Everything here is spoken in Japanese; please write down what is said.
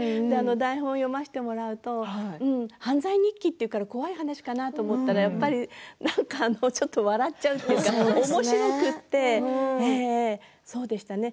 台本を読ませていただくと犯罪日記というから怖い話かなと思うとやっぱりなんかちょっと笑っちゃうというかおもしろくて、そうでしたね。